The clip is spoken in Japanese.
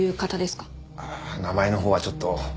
あっ名前のほうはちょっと。